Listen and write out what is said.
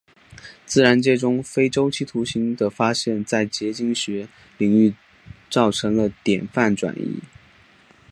自然界中非周期图形的发现在结晶学领域造成了典范转移。